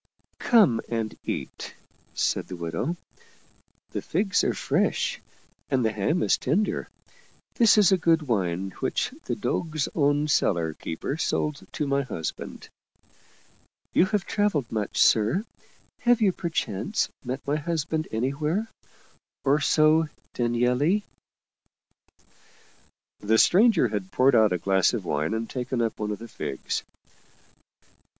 " Come and eat," said the widow. " The figs are fresh and the ham is tender. This is a good wine which the Doge's own cellar keeper sold to my husband. You have traveled much, sir have you perchance met my husband anywhere, Orso Danieli ?" The stranger had poured out a glass of wine and taken up one of the figs.